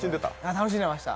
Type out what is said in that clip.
楽しんでました。